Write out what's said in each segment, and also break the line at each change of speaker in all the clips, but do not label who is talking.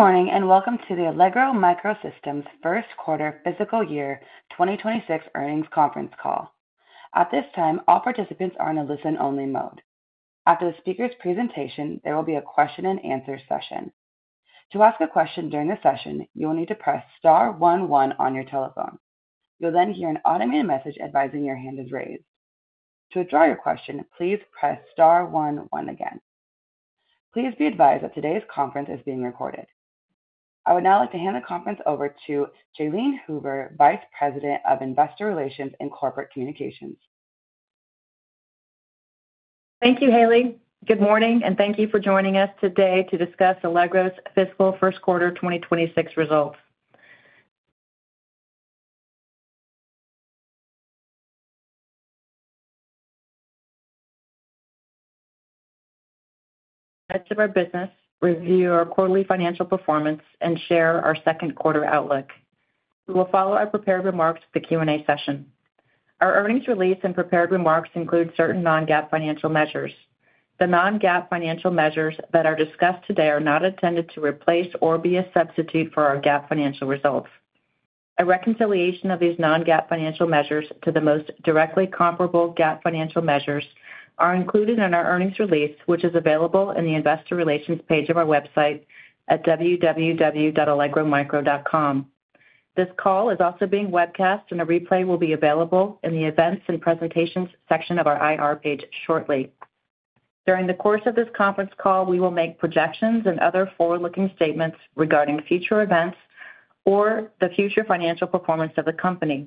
Good morning and welcome to the Allegro MicroSystems First Quarter Fiscal Year 2026 Earnings Conference call. At this time, all participants are in a listen-only mode. After the speaker's presentation, there will be a Q&A session. To ask a question during the session, you will need to press star one one on your telephone. You'll then hear an automated message advising your hand is raised. To withdraw your question, please press star one one. Please be advised that today's conference is being recorded. I would now like to hand the conference over to Jalene Hoover, Vice President of Investor Relations and Corporate Communications.
Thank you, Haley. Good morning and thank you for joining us today to discuss Allegro's Fiscal First Quarter 2026 results. The rest of our business review our quarterly financial performance and share our second quarter outlook. We will follow our prepared remarks with the Q&A session. Our earnings release and prepared remarks include certain non-GAAP financial measures. The non-GAAP financial measures that are discussed today are not intended to replace or be a substitute for our GAAP financial results. A reconciliation of these non-GAAP financial measures to the most directly comparable GAAP financial measures is included in our earnings release, which is available in the Investor Relations page of our website at www.allegromicro.com. This call is also being webcast and a replay will be available in the Events and Presentations section of our IR page shortly. During the course of this conference call, we will make projections and other forward-looking statements regarding future events or the future financial performance of the company.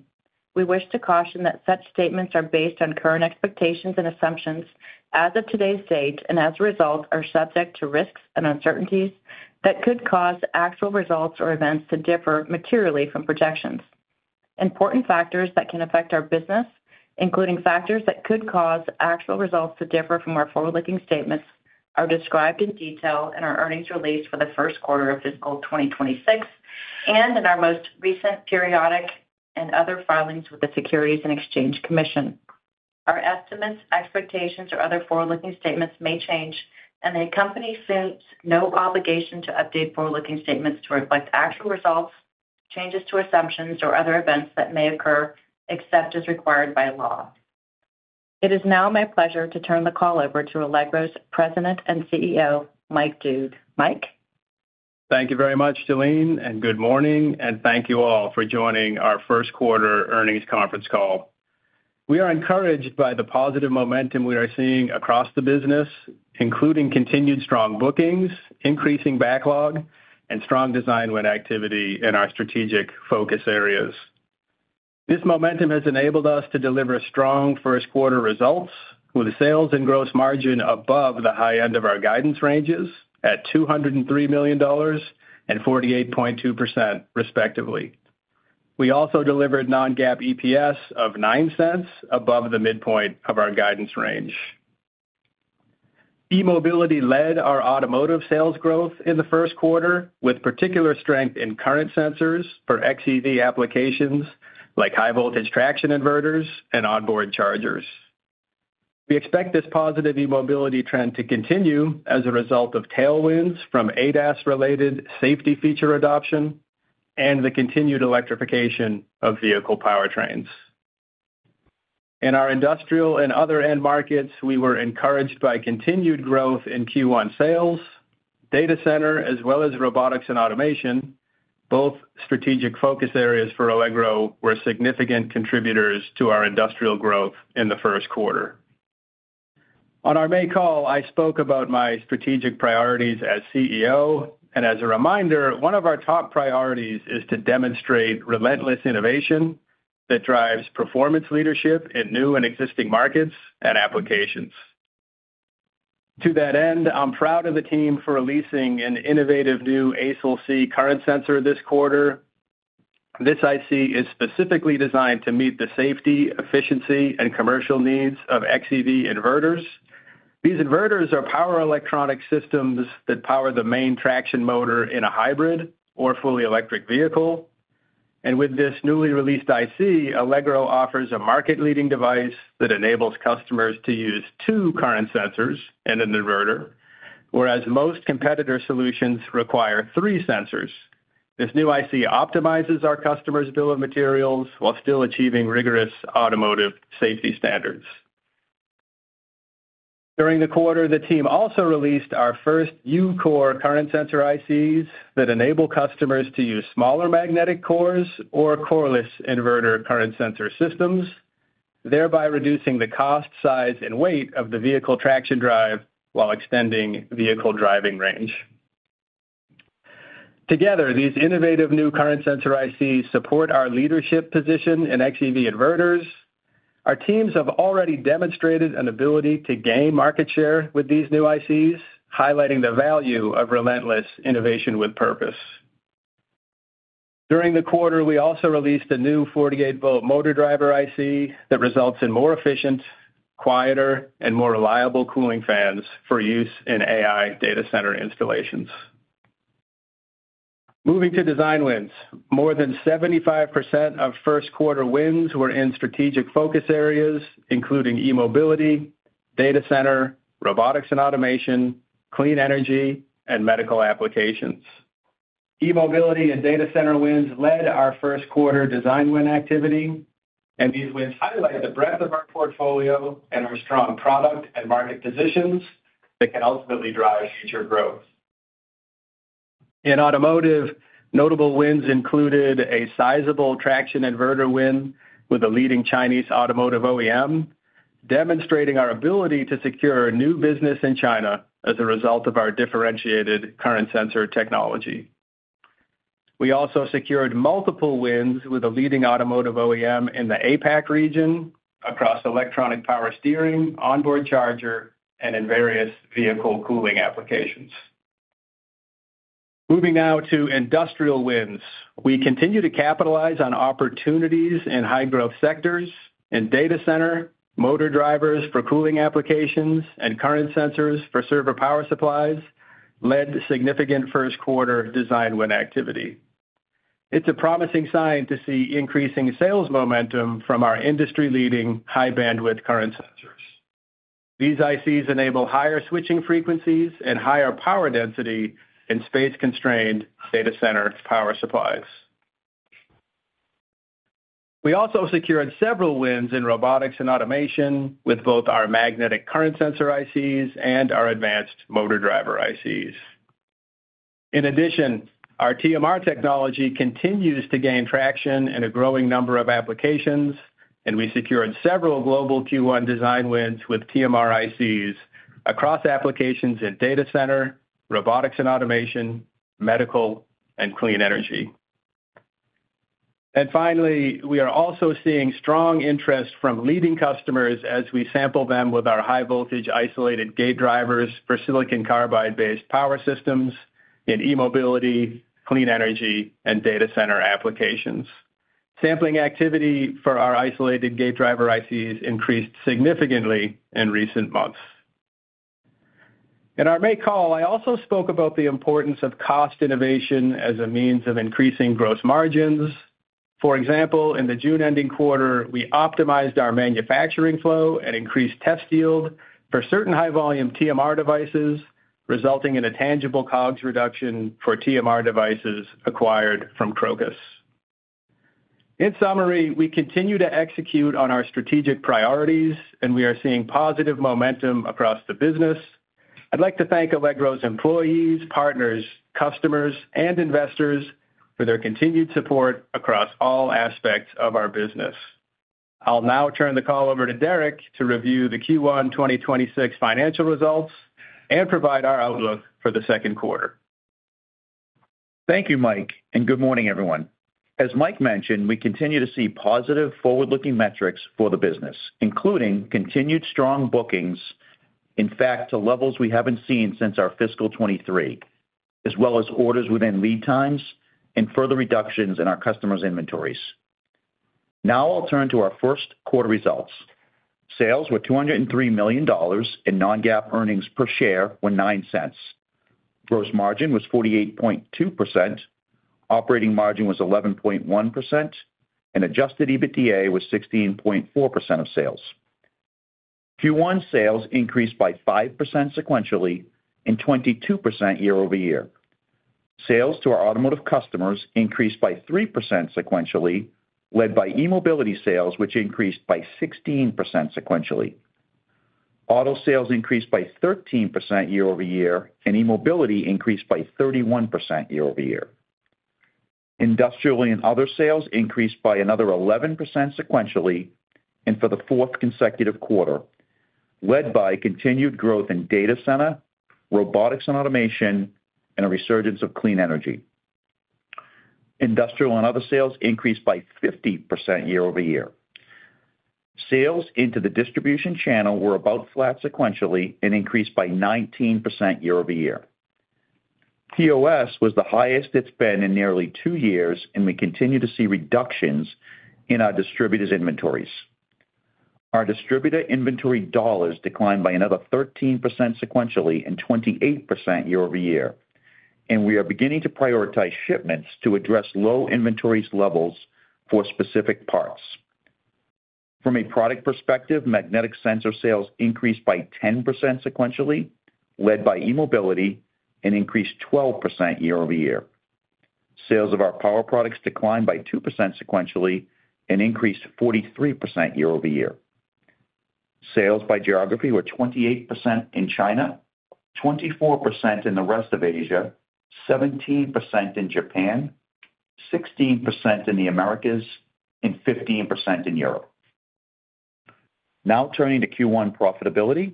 We wish to caution that such statements are based on current expectations and assumptions as of today's date and as a result are subject to risks and uncertainties that could cause actual results or events to differ materially from projections. Important factors that can affect our business, including factors that could cause actual results to differ from our forward-looking statements, are described in detail in our earnings release for the first quarter of fiscal 2026 and in our most recent periodic and other filings with the Securities and Exchange Commission. Our estimates, expectations, or other forward-looking statements may change, and the company assumes no obligation to update forward-looking statements to reflect actual results, changes to assumptions, or other events that may occur except as required by law. It is now my pleasure to turn the call over to Allegro's President and CEO, Mike Doogue. Mike.
Thank you very much, Jalene, and good morning, and thank you all for joining our First Quarter Earnings Conference call. We are encouraged by the positive momentum we are seeing across the business, including continued strong bookings, increasing backlog, and strong design win activity in our strategic focus areas. This momentum has enabled us to deliver strong first quarter results with a sales and gross margin above the high end of our guidance ranges at $203 million and 48.2%, respectively. We also delivered non-GAAP EPS of $0.09 above the midpoint of our guidance range. E-mobility led our automotive sales growth in the first quarter, with particular strength in current sensors for xEV applications like high-voltage traction inverters and onboard chargers. We expect this positive e-mobility trend to continue as a result of tailwinds from ADAS-related safety feature adoption and the continued electrification of vehicle powertrains. In our industrial and other end markets, we were encouraged by continued growth in Q1 sales. Data center, as well as robotics and automation, both strategic focus areas for Allegro MicroSystems, were significant contributors to our industrial growth in the first quarter. On our May call, I spoke about my strategic priorities as CEO, and as a reminder, one of our top priorities is to demonstrate relentless innovation that drives performance leadership in new and existing markets and applications. To that end, I'm proud of the team for releasing an innovative new ACS current sensor this quarter. This IC is specifically designed to meet the safety, efficiency, and commercial needs of xEV inverters. These inverters are power electronic systems that power the main traction motor in a hybrid or fully electric vehicle. With this newly released IC, Allegro offers a market-leading device that enables customers to use two current sensors in an inverter, whereas most competitor solutions require three sensors. This new IC optimizes our customers' bill of materials while still achieving rigorous automotive safety standards. During the quarter, the team also released our first U-core current sensor ICs that enable customers to use smaller magnetic cores or coreless inverter current sensor systems, thereby reducing the cost, size, and weight of the vehicle traction drive while extending vehicle driving range. Together, these innovative new current sensor ICs support our leadership position in xEV inverters. Our teams have already demonstrated an ability to gain market share with these new ICs, highlighting the value of relentless innovation with purpose. During the quarter, we also released a new 48-volt motor driver IC that results in more efficient, quieter, and more reliable cooling fans for use in AI data center installations. Moving to design wins, more than 75% of first quarter wins were in strategic focus areas, including e-mobility, data center, robotics and automation, clean energy, and medical applications. E-mobility and data center wins led our first quarter design win activity, and these wins highlight the breadth of our portfolio and our strong product and market positions that can ultimately drive future growth. In automotive, notable wins included a sizable traction inverter win with a leading Chinese automotive OEM, demonstrating our ability to secure new business in China as a result of our differentiated current sensor technology. We also secured multiple wins with a leading automotive OEM in the APAC region across electronic power steering, onboard charger, and in various vehicle cooling applications. Moving now to industrial wins, we continue to capitalize on opportunities in high-growth sectors, and data center, motor drivers for cooling applications, and current sensors for server power supplies led significant first quarter design win activity. It's a promising sign to see increasing sales momentum from our industry-leading high-bandwidth current sensors. These ICs enable higher switching frequencies and higher power density in space-constrained data center power supplies. We also secured several wins in robotics and automation with both our magnetic current sensor ICs and our advanced motor driver ICs. In addition, our TMR technology continues to gain traction in a growing number of applications, and we secured several global Q1 design wins with TMR ICs across applications in data center, robotics and automation, medical, and clean energy. Finally, we are also seeing strong interest from leading customers as we sample them with our high-voltage isolated gate drivers for silicon carbide-based power systems in e-mobility, clean energy, and data center applications. Sampling activity for our isolated gate driver ICs increased significantly in recent months. In our May call, I also spoke about the importance of cost innovation as a means of increasing gross margins. For example, in the June-ending quarter, we optimized our manufacturing flow and increased test yield for certain high-volume TMR devices, resulting in a tangible COGS reduction for TMR devices acquired from Crocus. In summary, we continue to execute on our strategic priorities, and we are seeing positive momentum across the business. I'd like to thank Allegro's employees, partners, customers, and investors for their continued support across all aspects of our business. I'll now turn the call over to Derek to review the Q1 2026 financial results and provide our outlook for the second quarter.
Thank you, Mike, and good morning, everyone. As Mike mentioned, we continue to see positive forward-looking metrics for the business, including continued strong bookings, in fact, to levels we haven't seen since our fiscal 2023, as well as orders within lead times and further reductions in our customers' inventories. Now I'll turn to our first quarter results. Sales were $203 million and non-GAAP earnings per share were $0.09. Gross margin was 48.2%, operating margin was 11.1%, and adjusted EBITDA was 16.4% of sales. Q1 sales increased by 5% sequentially and 22% year-over-year. Sales to our automotive customers increased by 3% sequentially, led by e-mobility sales, which increased by 16% sequentially. Auto sales increased by 13% year-over-year, and e-mobility increased by 31% year-over-year. Industrial and other sales increased by another 11% sequentially and for the fourth consecutive quarter, led by continued growth in data center, robotics and automation, and a resurgence of clean energy. Industrial and other sales increased by 50% year-over-year. Sales into the distribution channel were about flat sequentially and increased by 19% year-over-year. POS was the highest it's been in nearly two years, and we continue to see reductions in our distributor's inventories. Our distributor inventory dollars declined by another 13% sequentially and 28% year-over-year, and we are beginning to prioritize shipments to address low inventory levels for specific parts. From a product perspective, magnetic sensor sales increased by 10% sequentially, led by e-mobility, and increased 12% year-over-year. Sales of our power products declined by 2% sequentially and increased 43% year-over-year. Sales by geography were 28% in China, 24% in the rest of Asia, 17% in Japan, 16% in the Americas, and 15% in Europe. Now turning to Q1 profitability,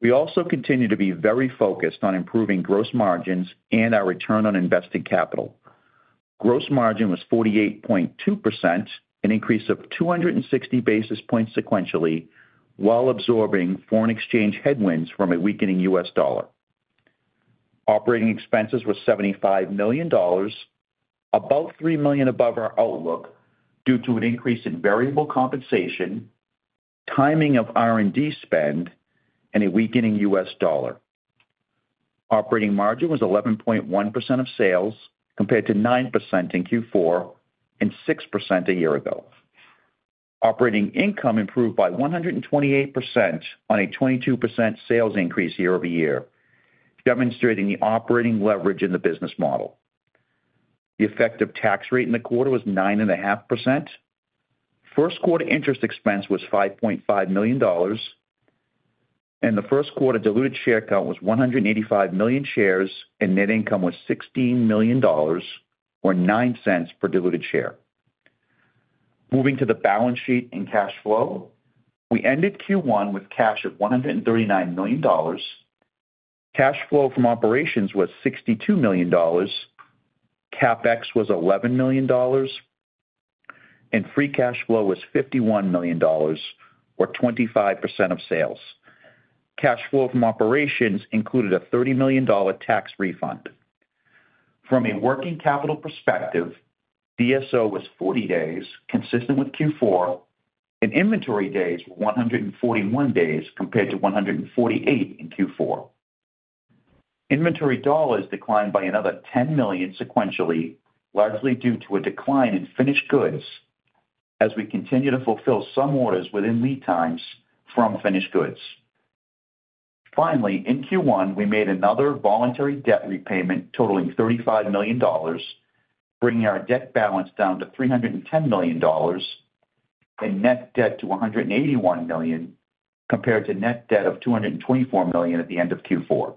we also continue to be very focused on improving gross margins and our return on invested capital. Gross margin was 48.2%, an increase of 260 basis points sequentially, while absorbing foreign exchange headwinds from a weakening U.S. dollar. Operating expenses were $75 million, about $3 million above our outlook due to an increase in variable compensation, timing of R&D spend, and a weakening U.S. dollar. Operating margin was 11.1% of sales compared to 9% in Q4 and 6% a year ago. Operating income improved by 128% on a 22% sales increase year-over-year, demonstrating the operating leverage in the business model. The effective tax rate in the quarter was 9.5%. First quarter interest expense was $5.5 million, and the first quarter diluted share count was 185 million shares, and net income was $16 million or $0.09 per diluted share. Moving to the balance sheet and cash flow, we ended Q1 with cash of $139 million. Cash flow from operations was $62 million, CapEx was $11 million, and free cash flow was $51 million, or 25% of sales. Cash flow from operations included a $30 million tax refund. From a working capital perspective, DSO was 40 days, consistent with Q4, and inventory days were 141 days compared to 148 in Q4. Inventory dollars declined by another $10 million sequentially, largely due to a decline in finished goods, as we continue to fulfill some orders within lead times from finished goods. Finally, in Q1, we made another voluntary debt repayment totaling $35 million, bringing our debt balance down to $310 million and net debt to $181 million, compared to net debt of $224 million at the end of Q4.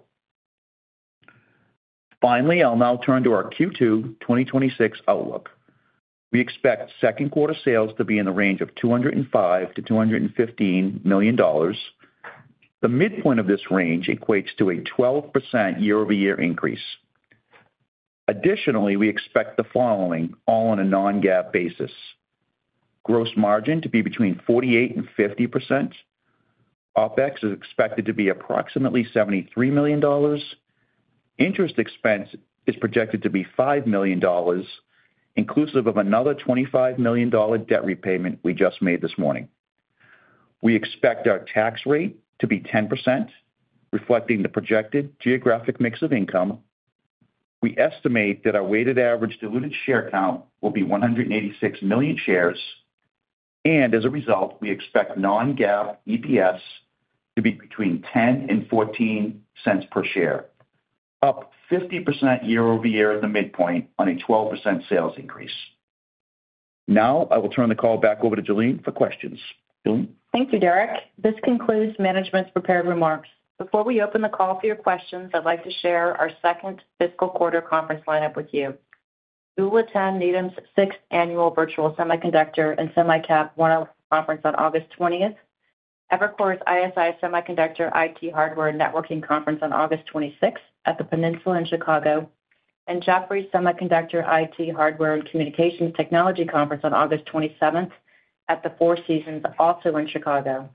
Finally, I'll now turn to our Q2 2026 outlook. We expect second quarter sales to be in the range of $205 to $215 million. The midpoint of this range equates to a 12% year-over-year increase. Additionally, we expect the following all on a non-GAAP basis: gross margin to be between 48% and 50%, OpEx is expected to be approximately $73 million, interest expense is projected to be $5 million, inclusive of another $25 million debt repayment we just made this morning. We expect our tax rate to be 10%, reflecting the projected geographic mix of income. We estimate that our weighted average diluted share count will be 186 million shares, and as a result, we expect non-GAAP EPS to be between $0.10 and $0.14 per share, up 50% year-over-year at the midpoint on a 12% sales increase. Now I will turn the call back over to Jalene for questions. Jalene.
Thank you, Derek. This concludes management's prepared remarks. Before we open the call for your questions, I'd like to share our second fiscal quarter conference lineup with you. You will attend NAITM's Sixth Annual Virtual Semiconductor and Semicap OneL Conference on August 20, Evercore ISI Semiconductor IT Hardware and Networking Conference on August 26 at the Peninsula in Chicago, and Jefferies Semiconductor IT Hardware and Communications Technology Conference on August 27 at the Four Seasons, also in Chicago.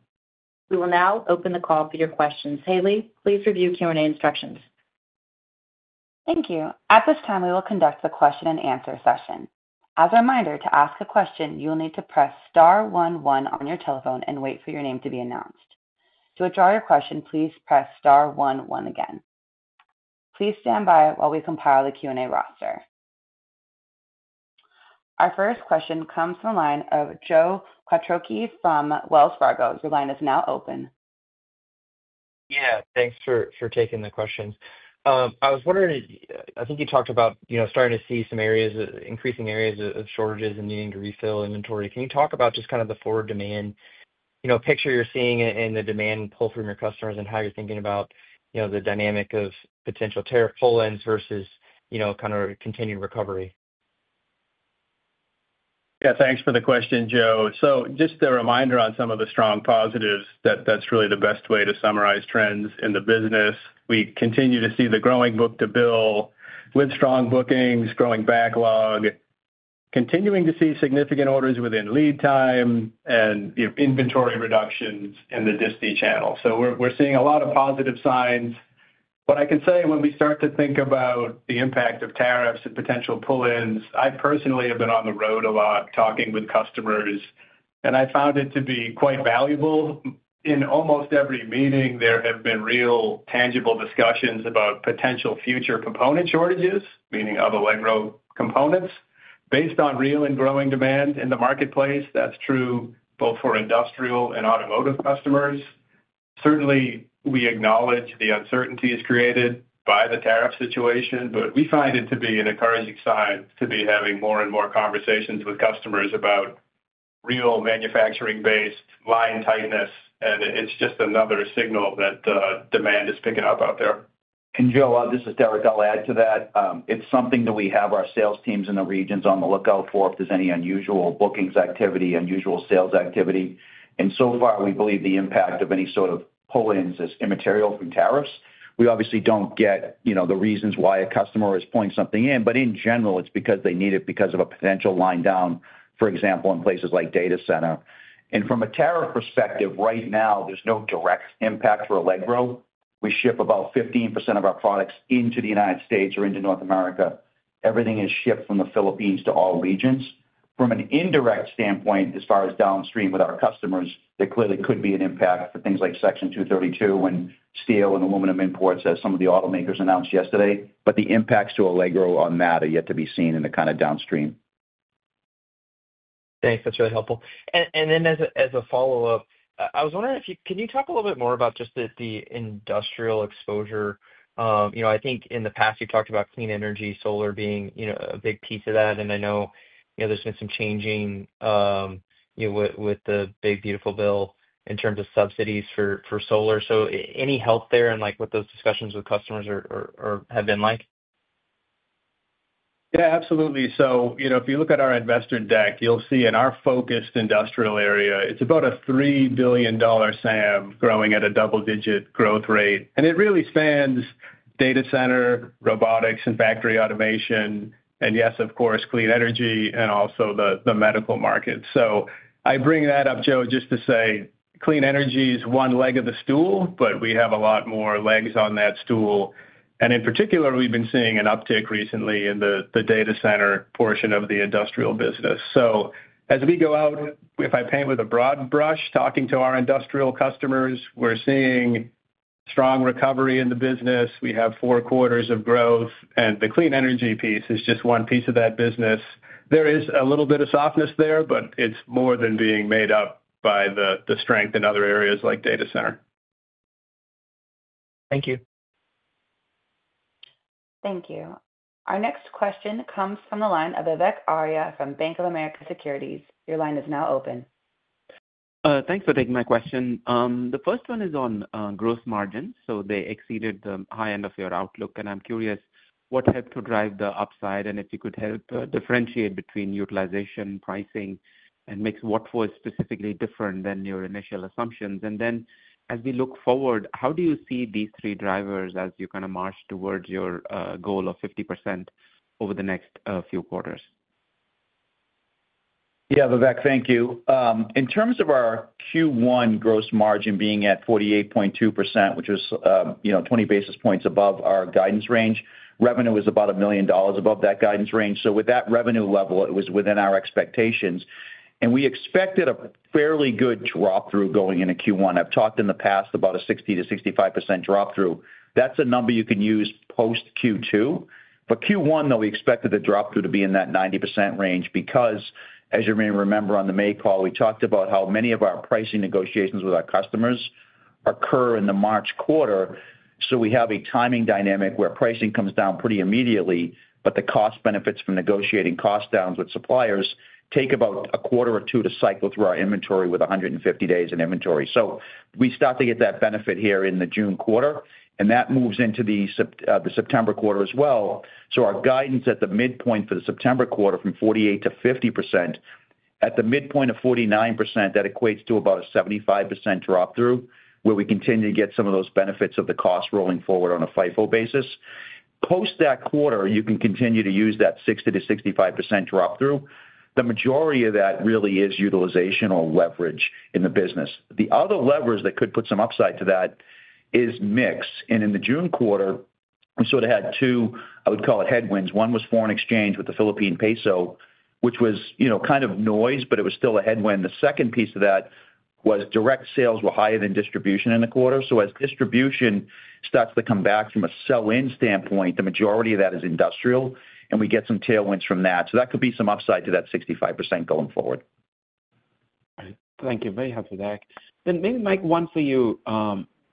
We will now open the call for your questions. Haley, please review Q&A instructions.
Thank you. At this time, we will conduct the Q&A session. As a reminder, to ask a question, you will need to press star one one on your telephone and wait for your name to be announced. To withdraw your question, please press star one one again. Please stand by while we compile the Q&A roster. Our first question comes from the line of Joe Quatrochi from Wells Fargo. Your line is now open.
Yeah, thanks for taking the questions. I was wondering, I think you talked about starting to see some increasing areas of shortages and needing to refill inventory. Can you talk about just kind of the forward demand, you know, a picture you're seeing in the demand pull from your customers and how you're thinking about the dynamic of potential tariff pull-ins versus kind of continued recovery?
Yeah, thanks for the question, Joe. Just a reminder on some of the strong positives, that's really the best way to summarize trends in the business. We continue to see the growing book-to-bill with strong bookings, growing backlog, continuing to see significant orders within lead time, and inventory reductions in the DISTI channel. We're seeing a lot of positive signs. What I can say when we start to think about the impact of tariffs and potential pull-ins, I personally have been on the road a lot talking with customers, and I found it to be quite valuable. In almost every meeting, there have been real tangible discussions about potential future component shortages, meaning of Allegro components, based on real and growing demand in the marketplace. That's true both for industrial and automotive customers. Certainly, we acknowledge the uncertainties created by the tariff situation, but we find it to be an encouraging sign to be having more and more conversations with customers about real manufacturing-based line tightness, and it's just another signal that demand is picking up out there.
Joe, this is Derek. I'll add to that. It is something that we have our sales teams in the regions on the lookout for if there's any unusual bookings activity or unusual sales activity. So far, we believe the impact of any sort of pull-ins is immaterial from tariffs. We obviously don't get the reasons why a customer is pulling something in, but in general, it's because they need it because of a potential line down, for example, in places like data center. From a tariff perspective, right now, there's no direct impact for Allegro. We ship about 15% of our products into the United States or into North America. Everything is shipped from the Philippines to all regions. From an indirect standpoint, as far as downstream with our customers, there clearly could be an impact for things like Section 232 and steel and aluminum imports, as some of the automakers announced yesterday. The impacts to Allegro on that are yet to be seen in the downstream.
Thanks, that's really helpful. As a follow-up, I was wondering if you can talk a little bit more about just the industrial exposure. I think in the past, you've talked about clean energy, solar being a big piece of that. I know there's been some changing with the Big Beautiful Bill in terms of subsidies for solar. Any help there in what those discussions with customers have been like?
Yeah, absolutely. If you look at our investor deck, you'll see in our focused industrial area, it's about a $3 billion SAM growing at a double-digit growth rate. It really spans data center, robotics, and factory automation, and yes, of course, clean energy and also the medical market. I bring that up, Joe, just to say clean energy is one leg of the stool, but we have a lot more legs on that stool. In particular, we've been seeing an uptick recently in the data center portion of the industrial business. As we go out, if I paint with a broad brush, talking to our industrial customers, we're seeing strong recovery in the business. We have four quarters of growth, and the clean energy piece is just one piece of that business. There is a little bit of softness there, but it's more than being made up by the strength in other areas like data center.
Thank you.
Thank you. Our next question comes from the line of Vivek Arya from Bank of America Securities. Your line is now open.
Thanks for taking my question. The first one is on gross margins. They exceeded the high end of your outlook. I'm curious what helped to drive the upside, and if you could help differentiate between utilization, pricing, and mix, what was specifically different than your initial assumptions. As we look forward, how do you see these three drivers as you kind of march towards your goal of 50% over the next few quarters?
Yeah, Vivek, thank you. In terms of our Q1 gross margin being at 48.2%, which was 20 basis points above our guidance range, revenue was about $1 million above that guidance range. With that revenue level, it was within our expectations. We expected a fairly good drop-through going into Q1. I've talked in the past about a 60 to 65% drop-through. That's a number you can use post-Q2. Q1, though, we expected the drop-through to be in that 90% range because, as you may remember on the May call, we talked about how many of our pricing negotiations with our customers occur in the March quarter. We have a timing dynamic where pricing comes down pretty immediately, but the cost benefits from negotiating cost downs with suppliers take about a quarter or two to cycle through our inventory with 150 days in inventory. We start to get that benefit here in the June quarter, and that moves into the September quarter as well. Our guidance at the midpoint for the September quarter from 48 to 50%, at the midpoint of 49%, equates to about a 75% drop-through, where we continue to get some of those benefits of the cost rolling forward on a FIFO basis. Post that quarter, you can continue to use that 60 to 65% drop-through. The majority of that really is utilization or leverage in the business. The other leverage that could put some upside to that is mix. In the June quarter, we sort of had two, I would call it headwinds. One was foreign exchange with the Philippine peso, which was kind of noise, but it was still a headwind. The second piece of that was direct sales were higher than distribution in the quarter. As distribution starts to come back from a sell-in standpoint, the majority of that is industrial, and we get some tailwinds from that. That could be some upside to that 65% going forward.
Thank you. Very helpful, Derek. Maybe, Mike, one for you.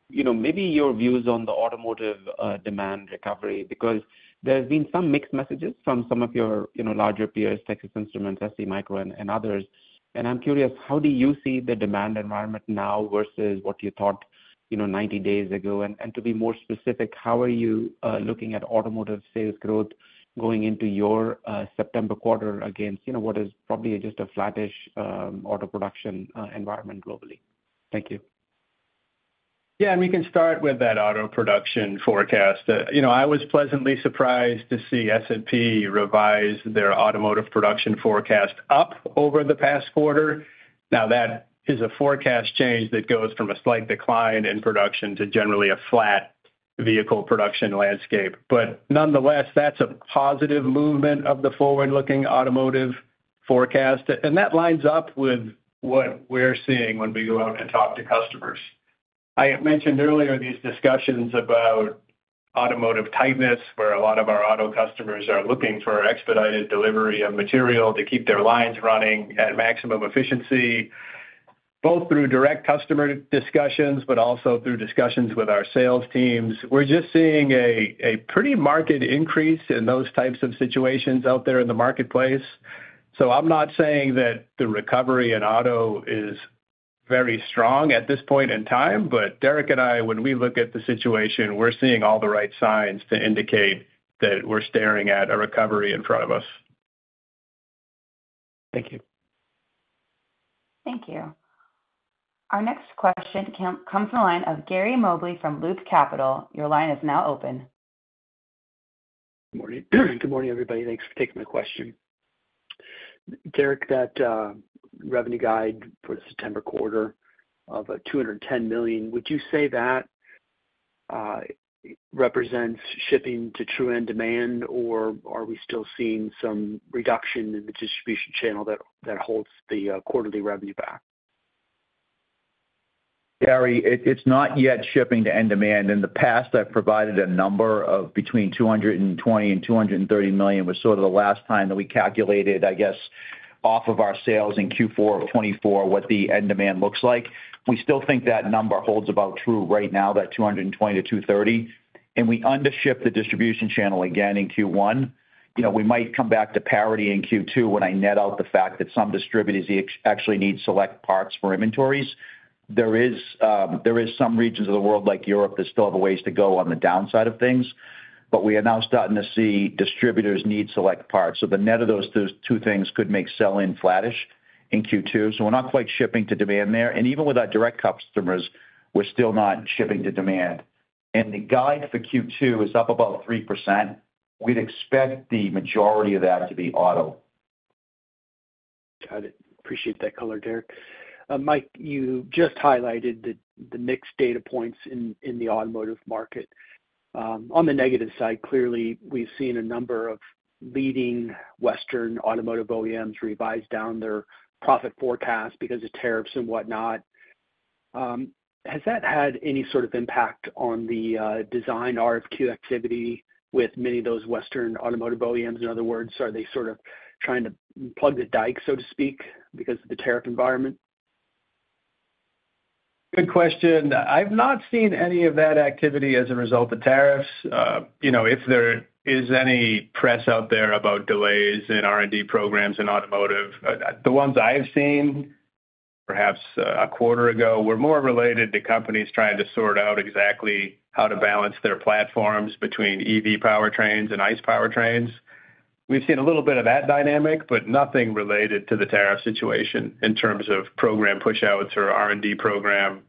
Maybe your views on the automotive demand recovery because there have been some mixed messages from some of your larger peers, Texas Instruments, STMicro, and others. I'm curious, how do you see the demand environment now versus what you thought 90 days ago? To be more specific, how are you looking at automotive sales growth going into your September quarter against what is probably just a flattish auto production environment globally? Thank you.
Yeah, and we can start with that auto production forecast. I was pleasantly surprised to see S&P revise their automotive production forecast up over the past quarter. That is a forecast change that goes from a slight decline in production to generally a flat vehicle production landscape. Nonetheless, that's a positive movement of the forward-looking automotive forecast. That lines up with what we're seeing when we go out and talk to customers. I mentioned earlier these discussions about automotive tightness, where a lot of our auto customers are looking for expedited delivery of material to keep their lines running at maximum efficiency, both through direct customer discussions and through discussions with our sales teams. We're just seeing a pretty marked increase in those types of situations out there in the marketplace. I'm not saying that the recovery in auto is very strong at this point in time, but Derek and I, when we look at the situation, we're seeing all the right signs to indicate that we're staring at a recovery in front of us.
Thank you.
Thank you. Our next question comes from the line of Gary Mobley from Loop Capital. Your line is now open.
Good morning. Good morning, everybody. Thanks for taking my question. Derek, that revenue guide for the September quarter of $210 million, would you say that represents shipping to true end demand, or are we still seeing some reduction in the distribution channel that holds the quarterly revenue back?
Gary, it's not yet shipping to end demand. In the past, I've provided a number of between $220 million and $230 million, which was sort of the last time that we calculated, I guess, off of our sales in Q4 of 2024, what the end demand looks like. We still think that number holds about true right now, that $220 million to $230 million. We undership the distribution channel again in Q1. We might come back to parity in Q2 when I net out the fact that some distributors actually need select parts for inventories. There are some regions of the world, like Europe, that still have a ways to go on the downside of things. We are now starting to see distributors need select parts. The net of those two things could make sell-in flattish in Q2. We're not quite shipping to demand there. Even with our direct customers, we're still not shipping to demand. The guide for Q2 is up about 3%. We'd expect the majority of that to be auto.
Got it. Appreciate that color, Derek. Mike, you just highlighted the mixed data points in the automotive market. On the negative side, clearly, we've seen a number of leading Western automotive OEMs revise down their profit forecast because of tariffs and whatnot. Has that had any sort of impact on the design RFQ activity with many of those Western automotive OEMs? In other words, are they sort of trying to plug the dike, so to speak, because of the tariff environment?
Good question. I've not seen any of that activity as a result of tariffs. If there is any press out there about delays in R&D programs in automotive, the ones I've seen, perhaps a quarter ago, were more related to companies trying to sort out exactly how to balance their platforms between EV powertrains and ICE powertrains. We've seen a little bit of that dynamic, but nothing related to the tariff situation in terms of program push-outs or R&D program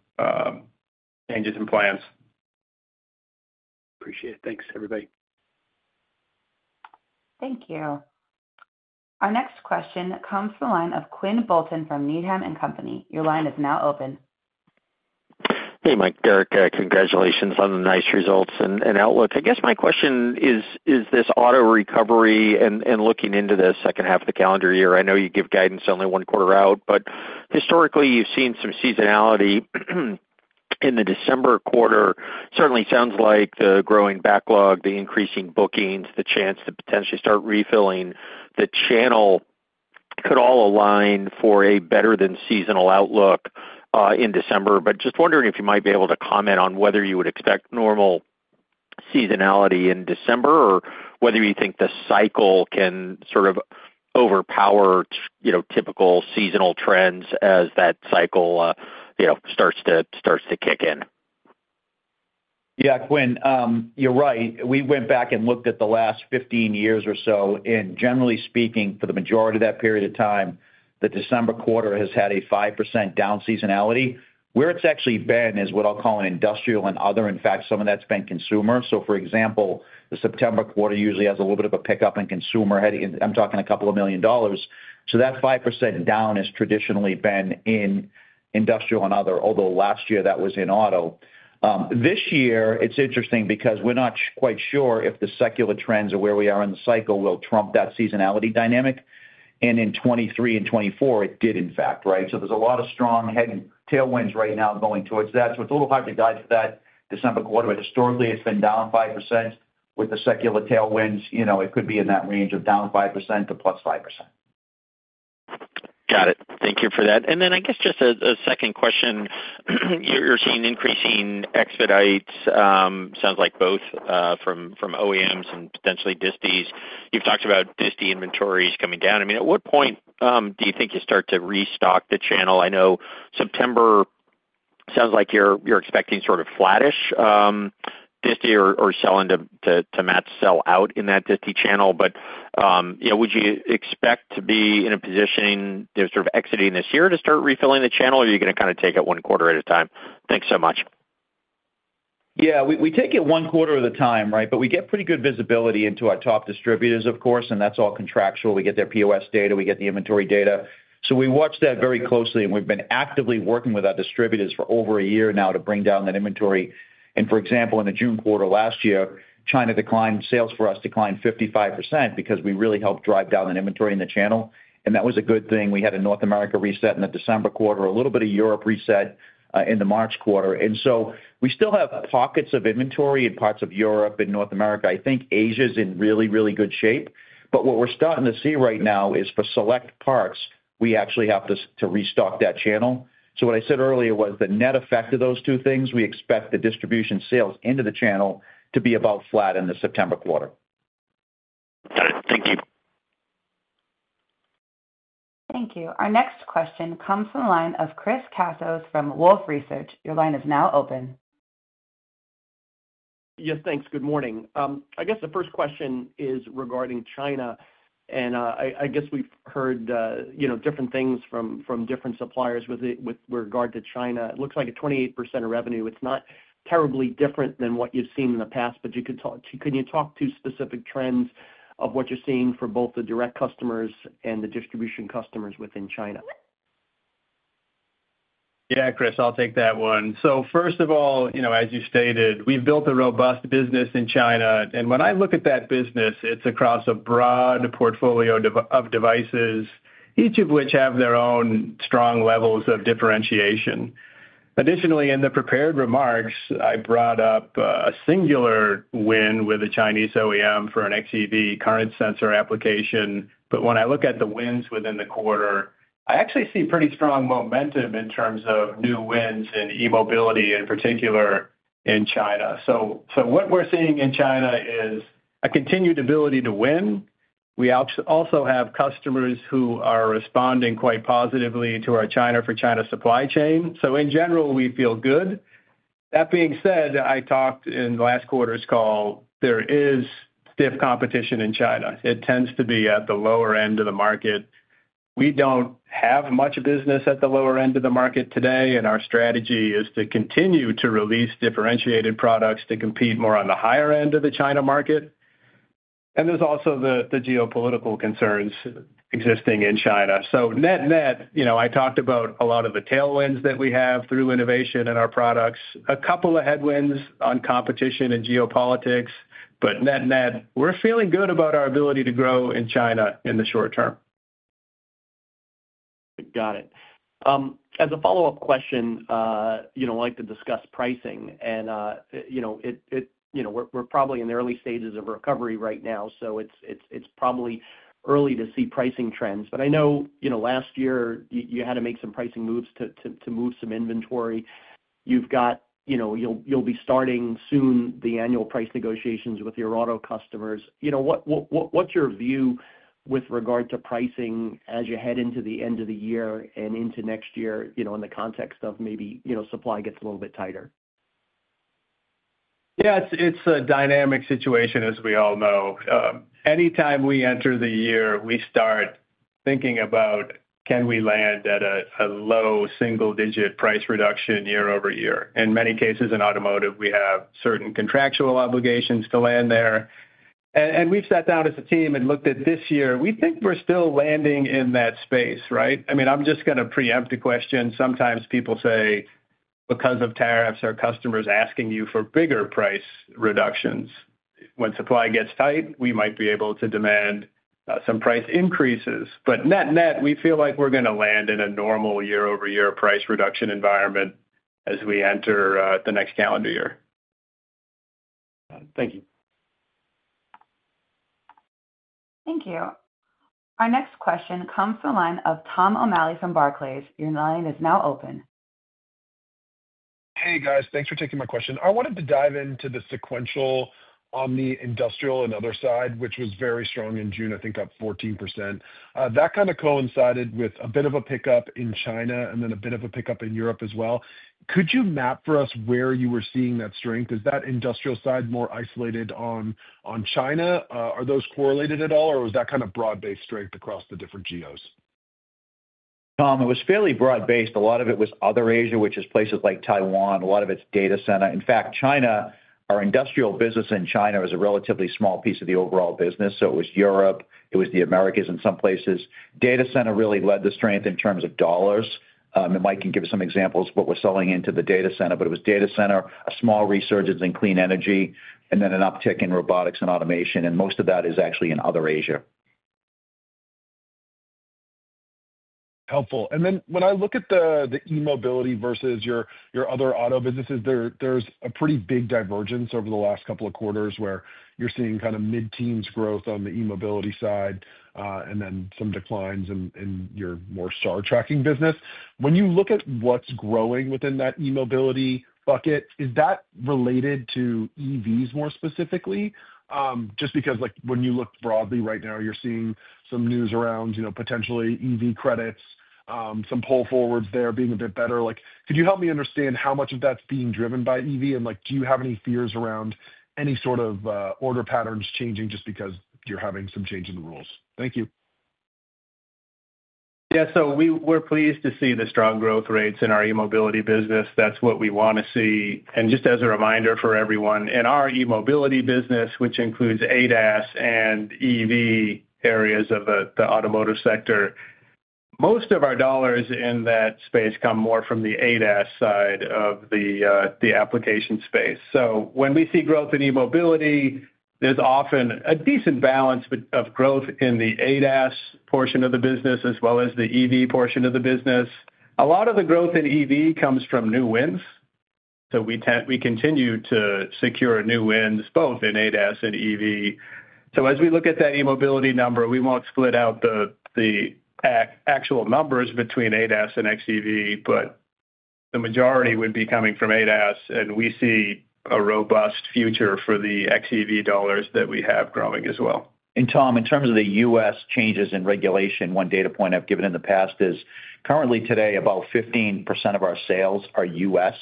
changes and plans.
Appreciate it. Thanks, everybody.
Thank you. Our next question comes from the line of Quinn Bolton from Needham & Company. Your line is now open.
Hey, Mike, Derek, congratulations on the nice results and outlook. I guess my question is, is this auto recovery and looking into the second half of the calendar year? I know you give guidance only one quarter out, but historically, you've seen some seasonality in the December quarter. It certainly sounds like the growing backlog, the increasing bookings, the chance to potentially start refilling the channel could all align for a better than seasonal outlook in December. I'm just wondering if you might be able to comment on whether you would expect normal seasonality in December or whether you think the cycle can sort of overpower typical seasonal trends as that cycle starts to kick in.
Yeah, Quinn, you're right. We went back and looked at the last 15 years or so, and generally speaking, for the majority of that period of time, the December quarter has had a 5% down seasonality. Where it's actually been is what I'll call industrial and other. In fact, some of that's been consumer. For example, the September quarter usually has a little bit of a pickup in consumer heading. I'm talking a couple of million dollars. That 5% down has traditionally been in industrial and other, although last year that was in auto. This year, it's interesting because we're not quite sure if the secular trends of where we are in the cycle will trump that seasonality dynamic. In 2023 and 2024, it did, in fact, right? There are a lot of strong head and tailwinds right now going towards that. It's a little hard to guide for that December quarter, but historically, it's been down 5% with the secular tailwinds. It could be in that range of down 5% to plus 5%.
Got it. Thank you for that. I guess just a second question. You're seeing increasing expedites, sounds like both from OEMs and potentially DISTIs. You've talked about DISTI inventories coming down. At what point do you think you start to restock the channel? I know September sounds like you're expecting sort of flattish DISTI or selling to match sell out in that DISTI channel. Would you expect to be in a position there sort of exiting this year to start refilling the channel, or are you going to kind of take it one quarter at a time? Thanks so much.
Yeah, we take it one quarter at a time, right? We get pretty good visibility into our top distributors, of course, and that's all contractual. We get their POS data, we get the inventory data. We watch that very closely, and we've been actively working with our distributors for over a year now to bring down that inventory. For example, in the June quarter last year, China declined, sales for us declined 55% because we really helped drive down that inventory in the channel. That was a good thing. We had a North America reset in the December quarter, a little bit of Europe reset in the March quarter. We still have pockets of inventory in parts of Europe and North America. I think Asia is in really, really good shape. What we're starting to see right now is for select parts, we actually have to restock that channel. What I said earlier was the net effect of those two things, we expect the distribution sales into the channel to be about flat in the September quarter.
Got it. Thank you.
Thank you. Our next question comes from the line of Chris Caso from Wolfe Research. Your line is now open.
Yeah, thanks. Good morning. I guess the first question is regarding China. I guess we've heard different things from different suppliers with regard to China. It looks like a 28% of revenue. It's not terribly different than what you've seen in the past, but can you talk to specific trends of what you're seeing for both the direct customers and the distribution customers within China?
Yeah, Chris, I'll take that one. First of all, as you stated, we've built a robust business in China. When I look at that business, it's across a broad portfolio of devices, each of which have their own strong levels of differentiation. Additionally, in the prepared remarks, I brought up a singular win with a Chinese OEM for an xEV current sensor application. When I look at the wins within the quarter, I actually see pretty strong momentum in terms of new wins in e-mobility, in particular in China. What we're seeing in China is a continued ability to win. We also have customers who are responding quite positively to our China for China supply chain. In general, we feel good. That being said, I talked in the last quarter's call, there is stiff competition in China. It tends to be at the lower end of the market. We don't have much business at the lower end of the market today, and our strategy is to continue to release differentiated products to compete more on the higher end of the China market. There are also the geopolitical concerns existing in China. Net-net, I talked about a lot of the tailwinds that we have through innovation in our products. A couple of headwinds on competition and geopolitics, but net-net, we're feeling good about our ability to grow in China in the short term.
Got it. As a follow-up question, I'd like to discuss pricing. We're probably in the early stages of recovery right now, so it's probably early to see pricing trends. I know last year you had to make some pricing moves to move some inventory. You'll be starting soon the annual price negotiations with your auto customers. What's your view with regard to pricing as you head into the end of the year and into next year, in the context of maybe supply gets a little bit tighter?
Yeah, it's a dynamic situation, as we all know. Anytime we enter the year, we start thinking about, can we land at a low single-digit price reduction year-over-year? In many cases in automotive, we have certain contractual obligations to land there. We've sat down as a team and looked at this year. We think we're still landing in that space, right? I'm just going to preempt a question. Sometimes people say, because of tariffs, are customers asking you for bigger price reductions? When supply gets tight, we might be able to demand some price increases. Net-net, we feel like we're going to land in a normal year-over-year price reduction environment as we enter the next calendar year.
Got it. Thank you.
Thank you. Our next question comes from the line of Tom O'Malley from Barclays. Your line is now open.
Hey, guys, thanks for taking my question. I wanted to dive into the sequential on the industrial and other side, which was very strong in June, I think up 14%. That kind of coincided with a bit of a pickup in China and then a bit of a pickup in Europe as well. Could you map for us where you were seeing that strength? Is that industrial side more isolated on China? Are those correlated at all, or was that kind of broad-based strength across the different geos?
Tom, it was fairly broad-based. A lot of it was other Asia, which is places like Taiwan, a lot of it is data center. In fact, China, our industrial business in China was a relatively small piece of the overall business. It was Europe, it was the Americas in some places. Data center really led the strength in terms of dollars. Mike can give us some examples of what we're selling into the data center, but it was data center, a small resurgence in clean energy, and then an uptick in robotics and automation. Most of that is actually in other Asia.
Helpful. When I look at the e-mobility versus your other auto businesses, there's a pretty big divergence over the last couple of quarters where you're seeing kind of mid-teens growth on the e-mobility side and then some declines in your more star tracking business. When you look at what's growing within that e-mobility bucket, is that related to EVs more specifically? Just because when you look broadly right now, you're seeing some news around, you know, potentially EV credits, some pull forwards there being a bit better. Could you help me understand how much of that's being driven by EV? Do you have any fears around any sort of order patterns changing just because you're having some change in the rules? Thank you.
Yeah, we're pleased to see the strong growth rates in our e-mobility business. That's what we want to see. Just as a reminder for everyone, in our e-mobility business, which includes ADAS and EV areas of the automotive sector, most of our dollars in that space come more from the ADAS side of the application space. When we see growth in e-mobility, there's often a decent balance of growth in the ADAS portion of the business as well as the EV portion of the business. A lot of the growth in EV comes from new wins. We continue to secure new wins both in ADAS and EV. As we look at that e-mobility number, we won't split out the actual numbers between ADAS and xEV, but the majority would be coming from ADAS. We see a robust future for the xEV dollars that we have growing as well.
Tom, in terms of the U.S. changes in regulation, one data point I've given in the past is currently today about 15% of our sales are U.S.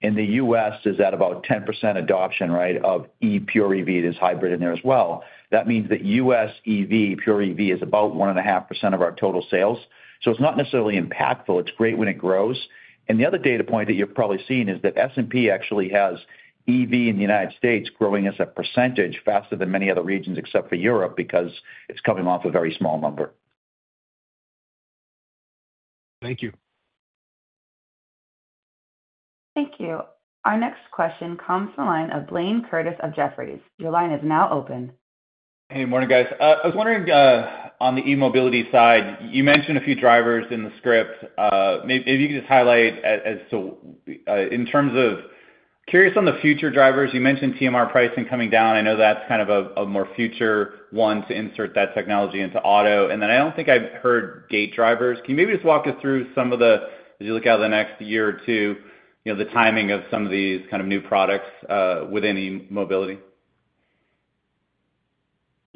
In the U.S., is that about 10% adoption, right, of pure-EV? That's hybrid in there as well. That means that U.S. EV pure-EV is about 1.5% of our total sales. It's not necessarily impactful. It's great when it grows. The other data point that you've probably seen is that S&P actually has EV in the United States growing as a percentage faster than many other regions except for Europe because it's coming off a very small number.
Thank you.
Thank you. Our next question comes from the line of Blayne Curtis of Jefferies. Your line is now open.
Hey, morning guys. I was wondering on the e-mobility side, you mentioned a few drivers in the script. Maybe you could just highlight as so in terms of curious on the future drivers. You mentioned TMR pricing coming down. I know that's kind of a more future one to insert that technology into auto. I don't think I've heard gate drivers. Can you maybe just walk us through some of the, as you look out the next year or two, you know, the timing of some of these kind of new products within e-mobility?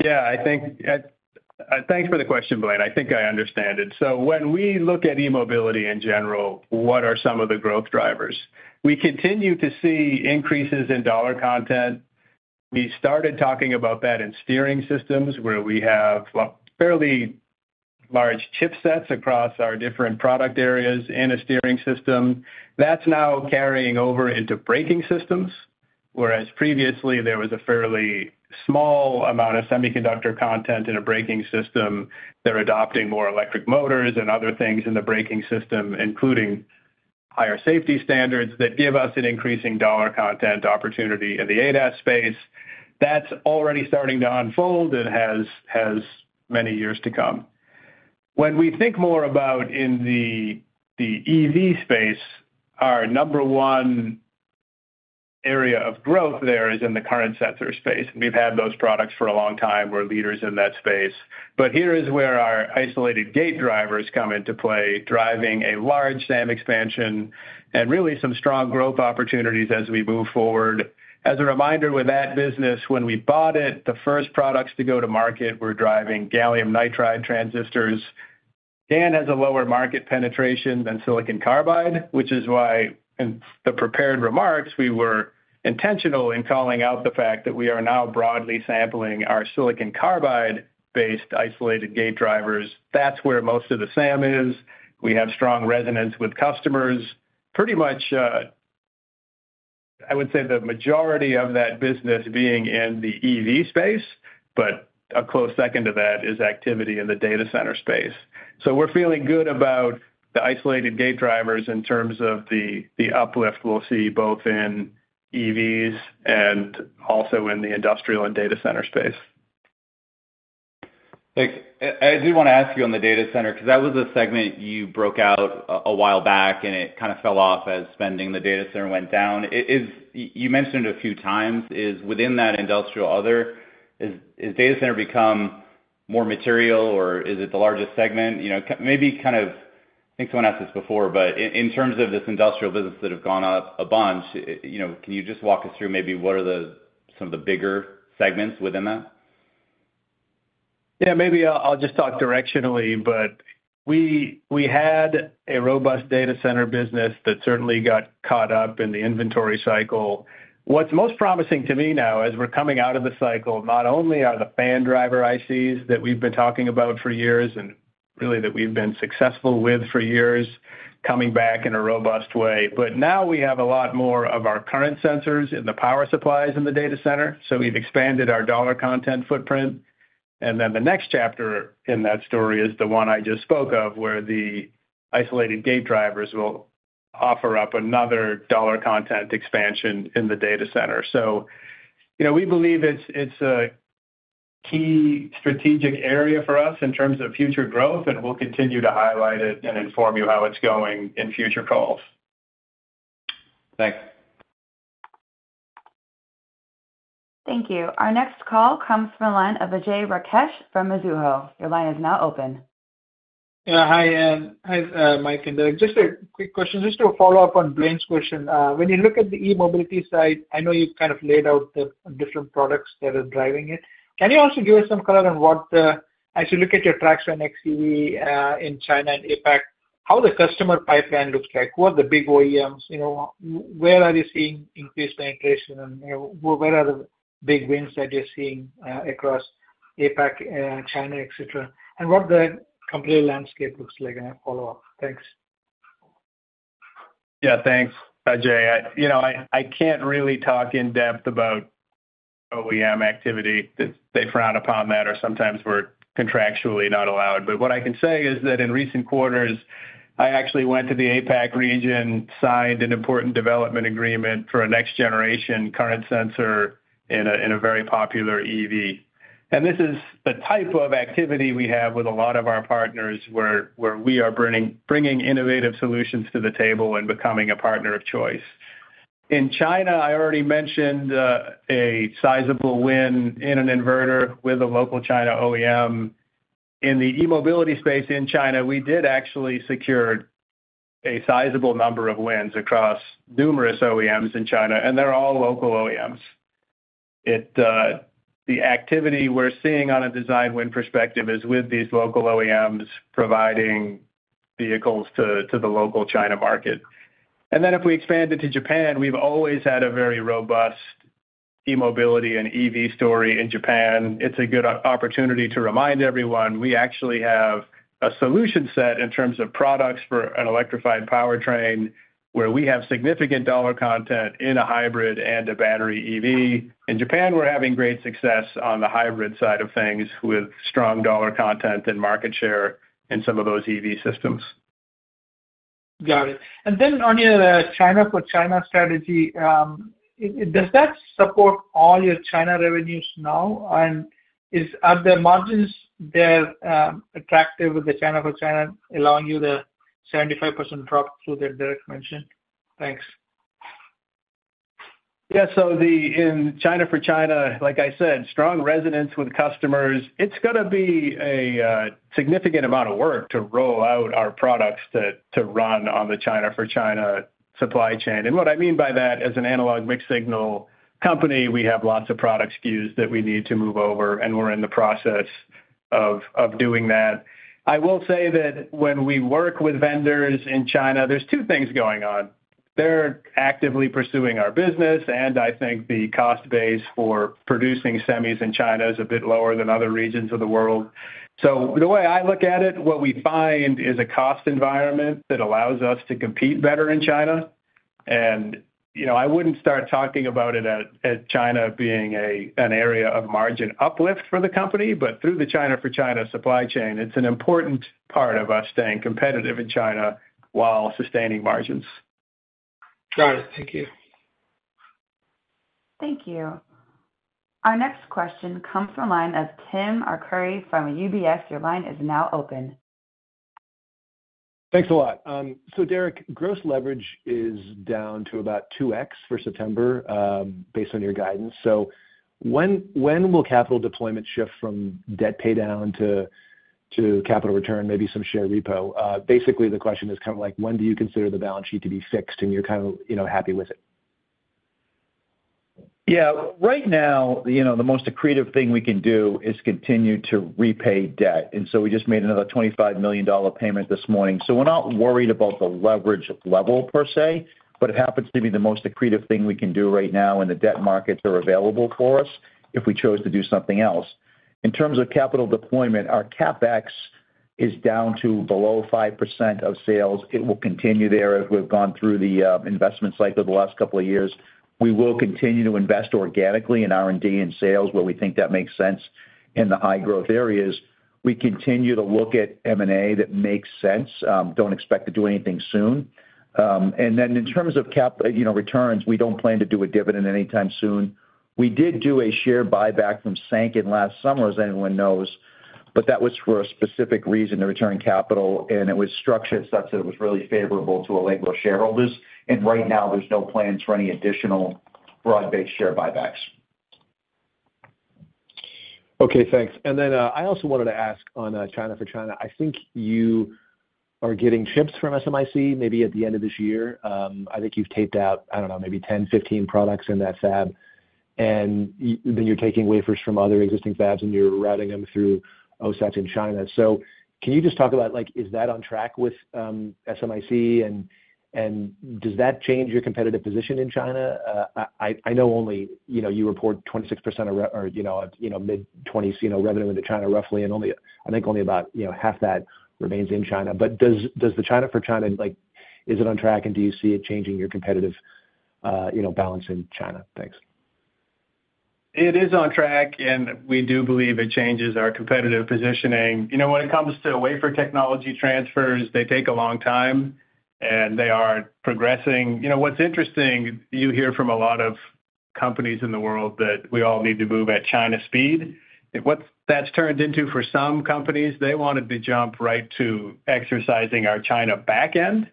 Yeah, thanks for the question, Blayne. I think I understand it. When we look at e-mobility in general, what are some of the growth drivers? We continue to see increases in dollar content. We started talking about that in steering systems where we have fairly large chipsets across our different product areas in a steering system. That's now carrying over into braking systems, whereas previously there was a fairly small amount of semiconductor content in a braking system. They're adopting more electric motors and other things in the braking system, including higher safety standards that give us an increasing dollar content opportunity in the ADAS space. That's already starting to unfold and has many years to come. When we think more about in the EV space, our number one area of growth there is in the current sensor space. We've had those products for a long time. We're leaders in that space. Here is where our isolated gate drivers come into play, driving a large SAM expansion and really some strong growth opportunities as we move forward. As a reminder, with that business, when we bought it, the first products to go to market were driving gallium nitride transistors. GaN has a lower market penetration than silicon carbide, which is why in the prepared remarks, we were intentional in calling out the fact that we are now broadly sampling our silicon carbide-based isolated gate drivers. That's where most of the SAM is. We have strong resonance with customers, pretty much, I would say the majority of that business being in the EV space, but a close second to that is activity in the data center space. We're feeling good about the isolated gate drivers in terms of the uplift we'll see both in EVs and also in the industrial and data center space.
Thanks. I did want to ask you on the data center because that was a segment you broke out a while back, and it kind of fell off as spending in the data center went down. You mentioned a few times it is within that industrial other. Has data center become more material, or is it the largest segment? Maybe, I think someone asked this before, but in terms of this industrial business that have gone up a bunch, can you just walk us through maybe what are some of the bigger segments within that?
Maybe I'll just talk directionally, but we had a robust data center business that certainly got caught up in the inventory cycle. What's most promising to me now as we're coming out of the cycle, not only are the fan driver ICs that we've been talking about for years and really that we've been successful with for years coming back in a robust way, but now we have a lot more of our current sensors in the power supplies in the data center. We've expanded our dollar content footprint. The next chapter in that story is the one I just spoke of where the isolated gate drivers will offer up another dollar content expansion in the data center. We believe it's a key strategic area for us in terms of future growth and we'll continue to highlight it and inform you how it's going in future calls.
Thanks.
Thank you. Our next call comes from the line of Vijay Rakesh from Mizuho. Your line is now open.
Hi, Michael Doogue. Just a quick question, just to follow up on Blayne's question. When you look at the e-mobility side, I know you've kind of laid out the different products that are driving it. Can you also give us some color on what the, as you look at your tracks for an xEV in China and APAC, how the customer pipeline looks like? Who are the big OEMs? You know, where are you seeing increased penetration and where are the big wins that you're seeing across APAC, China, etc.? What the company landscape looks like in a follow-up? Thanks.
Yeah, thanks, Vijay. I can't really talk in depth about OEM activity. They frown upon that or sometimes we're contractually not allowed. What I can say is that in recent quarters, I actually went to the APAC region, signed an important development agreement for a next-generation current sensor in a very popular EV. This is the type of activity we have with a lot of our partners where we are bringing innovative solutions to the table and becoming a partner of choice. In China, I already mentioned a sizable win in an inverter with a local China OEM. In the e-mobility space in China, we did actually secure a sizable number of wins across numerous OEMs in China, and they're all local OEMs. The activity we're seeing on a design win perspective is with these local OEMs providing vehicles to the local China market. If we expanded to Japan, we've always had a very robust e-mobility and EV story in Japan. It's a good opportunity to remind everyone we actually have a solution set in terms of products for an electrified powertrain where we have significant dollar content in a hybrid and a battery EV. In Japan, we're having great success on the hybrid side of things with strong dollar content and market share in some of those EV systems.
Got it. On your China for China strategy, does that support all your China revenues now? Are the margins there attractive with the China for China allowing you the 75% drop through that Derek mentioned? Thanks.
Yeah, so in China for China, like I said, strong resonance with customers. It's going to be a significant amount of work to roll out our products to run on the China for China supply chain. What I mean by that, as an analog mixed signal company, we have lots of product SKUs that we need to move over, and we're in the process of doing that. I will say that when we work with vendors in China, there are two things going on. They're actively pursuing our business, and I think the cost base for producing semis in China is a bit lower than other regions of the world. The way I look at it, what we find is a cost environment that allows us to compete better in China. I wouldn't start talking about China being an area of margin uplift for the company, but through the China for China supply chain, it's an important part of us staying competitive in China while sustaining margins.
Got it. Thank you.
Thank you. Our next question comes from the line of Tim Arcuri from UBS. Your line is now open.
Thanks a lot. Derek, gross leverage is down to about 2x for September based on your guidance. When will capital deployment shift from debt pay down to capital return, maybe some share repo? Basically, the question is kind of like, when do you consider the balance sheet to be fixed and you're kind of happy with it?
Right now, you know, the most accretive thing we can do is continue to repay debt. We just made another $25 million payment this morning. We're not worried about the leverage level per se, but it happens to be the most accretive thing we can do right now in the debt markets that are available for us if we chose to do something else. In terms of capital deployment, our CapEx is down to below 5% of sales. It will continue there as we've gone through the investment cycle the last couple of years. We will continue to invest organically in R&D and sales where we think that makes sense in the high growth areas. We continue to look at M&A that makes sense. Don't expect to do anything soon. In terms of capital returns, we don't plan to do a dividend anytime soon. We did do a share buyback from Sanken last summer, as anyone knows, but that was for a specific reason to return capital, and it was structured such that it was really favorable to Allegro shareholders. Right now, there's no plans for any additional broad-based share buybacks.
Okay, thanks. I also wanted to ask on China for China. I think you are getting chips from SMIC maybe at the end of this year. I think you've taped out, I don't know, maybe 10, 15 products in that fab. You're taking wafers from other existing fabs and you're routing them through OSATs in China. Can you just talk about, is that on track with SMIC and does that change your competitive position in China? I know you report 26%, you know, mid-20s revenue into China roughly, and only, I think only about half that remains in China. Does the China for China, is it on track and do you see it changing your competitive balance in China? Thanks.
It is on track and we do believe it changes our competitive positioning. When it comes to wafer technology transfers, they take a long time and they are progressing. What's interesting, you hear from a lot of companies in the world that we all need to move at China speed. What that's turned into for some companies, they wanted to jump right to exercising our China backend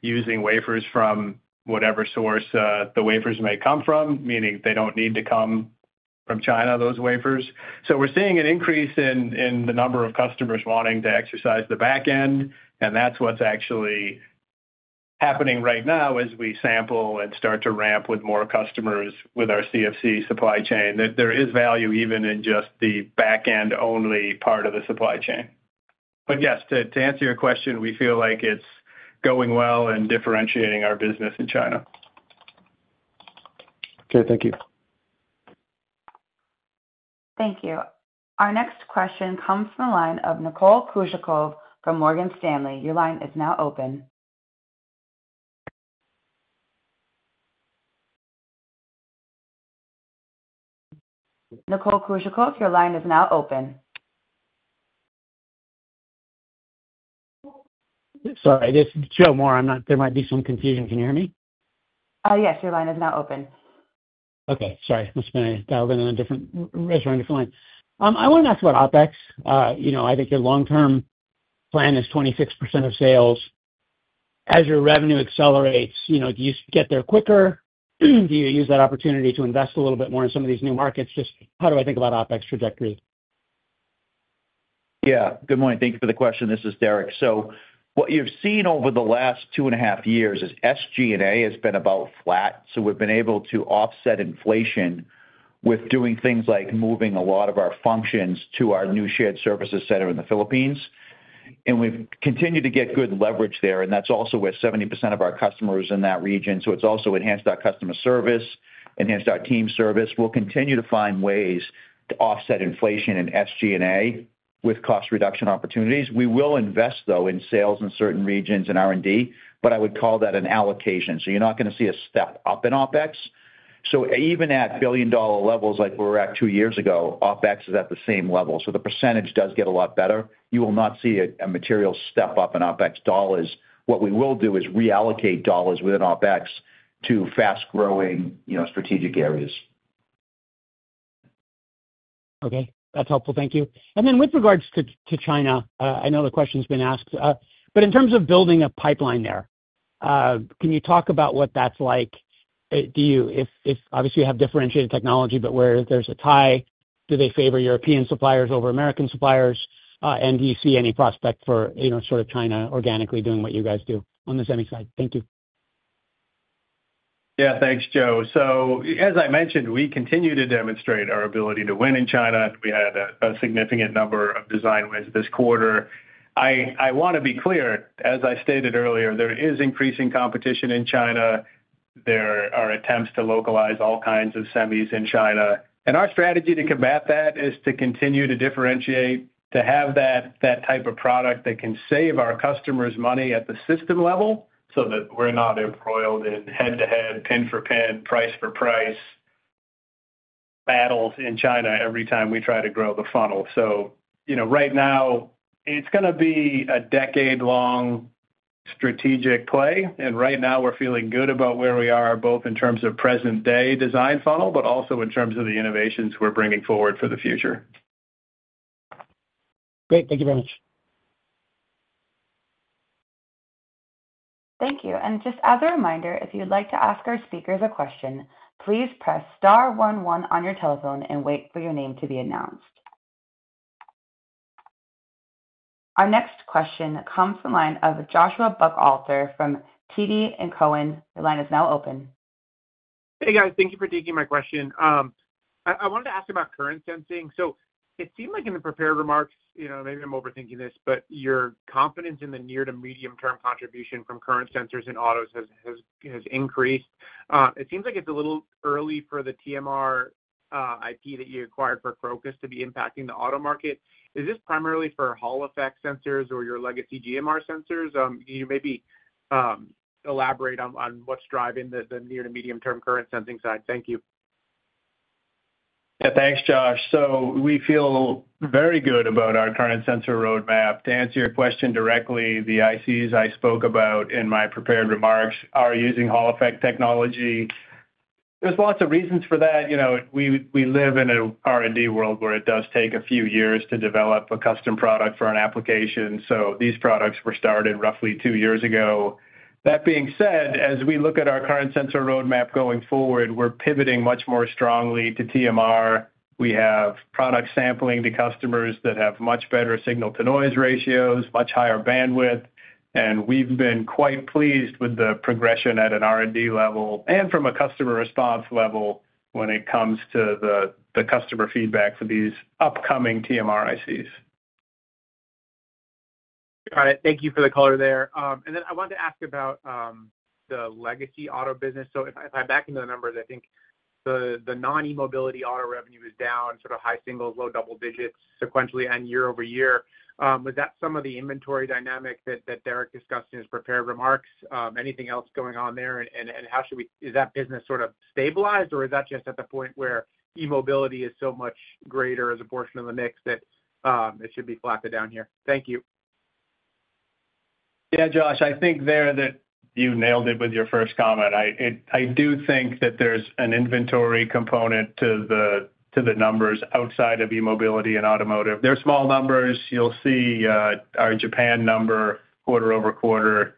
using wafers from whatever source the wafers may come from, meaning they don't need to come from China, those wafers. We're seeing an increase in the number of customers wanting to exercise the backend. That's what's actually happening right now as we sample and start to ramp with more customers with our CFC supply chain. There is value even in just the backend only part of the supply chain. Yes, to answer your question, we feel like it's going well and differentiating our business in China.
Okay, thank you.
Thank you. Our next question comes from the line of Nicole Kuzikov from Morgan Stanley. Your line is now open. Nicole Kuzikov, your line is now open.
Sorry, this is Joe Moore. There might be some confusion. Can you hear me?
Yes, your line is now open.
Okay, sorry. Must have been a dial-in in a different restaurant, a different line. I wanted to ask about OpEx. You know, I think your long-term plan is 26% of sales. As your revenue accelerates, do you get there quicker? Do you use that opportunity to invest a little bit more in some of these new markets? Just how do I think about OpEx trajectory?
Yeah, good morning. Thank you for the question. This is Derek. What you've seen over the last two and a half years is SG&A has been about flat. We've been able to offset inflation with doing things like moving a lot of our functions to our new shared services center in the Philippines. We've continued to get good leverage there. That's also where 70% of our customers are in that region. It's also enhanced our customer service, enhanced our team service. We'll continue to find ways to offset inflation in SG&A with cost reduction opportunities. We will invest, though, in sales in certain regions and R&D, but I would call that an allocation. You're not going to see a step up in OpEx. Even at billion-dollar levels like we were at two years ago, OpEx is at the same level. The percentage does get a lot better. You will not see a material step up in OpEx dollars. What we will do is reallocate dollars within OpEx to fast-growing, strategic areas.
Okay, that's helpful. Thank you. With regards to China, I know the question's been asked, but in terms of building a pipeline there, can you talk about what that's like? Do you, if obviously you have differentiated technology, but where there's a tie, do they favor European suppliers over American suppliers? Do you see any prospect for, you know, sort of China organically doing what you guys do on the semi-side? Thank you.
Yeah, thanks, Joe. As I mentioned, we continue to demonstrate our ability to win in China. We had a significant number of design wins this quarter. I want to be clear, as I stated earlier, there is increasing competition in China. There are attempts to localize all kinds of semis in China. Our strategy to combat that is to continue to differentiate, to have that type of product that can save our customers money at the system level so that we're not embroiled in head-to-head, pin-for-pin, price-for-price battles in China every time we try to grow the funnel. Right now, it's going to be a decade-long strategic play. Right now, we're feeling good about where we are, both in terms of present-day design funnel, but also in terms of the innovations we're bringing forward for the future.
Great. Thank you very much.
Thank you. Just as a reminder, if you'd like to ask our speakers a question, please press star one one on your telephone and wait for your name to be announced. Our next question comes from the line of Joshua Buchalter from TD Cowen. Your line is now open.
Hey, guys, thank you for taking my question. I wanted to ask about current sensing. It seemed like in the prepared remarks, you know, maybe I'm overthinking this, but your confidence in the near to medium-term contribution from current sensors in autos has increased. It seems like it's a little early for the TMR IP that you acquired for Crocus to be impacting the auto market. Is this primarily for Hall effect sensors or your legacy GMR sensors? Can you maybe elaborate on what's driving the near to medium-term current sensing side? Thank you.
Yeah, thanks, Josh. We feel very good about our current sensor roadmap. To answer your question directly, the ICs I spoke about in my prepared remarks are using Hall effect technology. There are lots of reasons for that. We live in an R&D world where it does take a few years to develop a custom product for an application. These products were started roughly two years ago. That being said, as we look at our current sensor roadmap going forward, we're pivoting much more strongly to TMR. We have product sampling to customers that have much better signal-to-noise ratios, much higher bandwidth, and we've been quite pleased with the progression at an R&D level and from a customer response level when it comes to the customer feedback for these upcoming TMR ICs.
Got it. Thank you for the color there. I wanted to ask about the legacy auto business. If I back into the numbers, I think the non-e-mobility auto revenue is down sort of high singles, low double digits sequentially and year-over-year. Was that some of the inventory dynamic that Derek discussed in his prepared remarks? Anything else going on there? How should we, is that business sort of stabilized or is that just at the point where e-mobility is so much greater as a portion of the mix that it should be flat to down here? Thank you.
Yeah, Josh, I think that you nailed it with your first comment. I do think that there's an inventory component to the numbers outside of e-mobility and automotive. They're small numbers. You'll see our Japan number quarter over quarter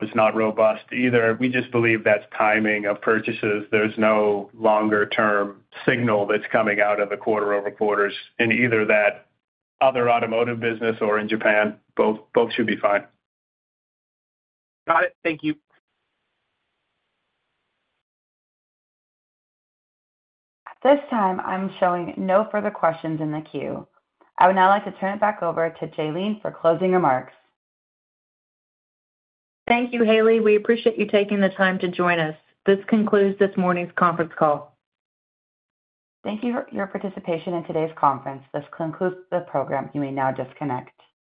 is not robust either. We just believe that's timing of purchases. There's no longer-term signal that's coming out of the quarter over quarters in either that other automotive business or in Japan. Both should be fine.
Got it. Thank you.
At this time, I'm showing no further questions in the queue. I would now like to turn it back over to Jalene for closing remarks.
Thank you, Haley. We appreciate you taking the time to join us. This concludes this morning's conference call.
Thank you for your participation in today's conference. This concludes the program. You may now disconnect.